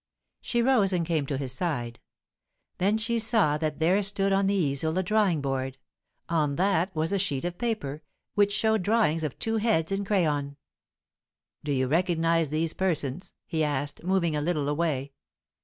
She rose and came to his side. Then she saw that there stood on the easel a drawing board; on that was a sheet of paper, which showed drawings of two heads in crayon. "Do you recognize these persons?" he asked, moving a little away.